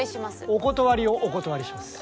お断りをお断りします。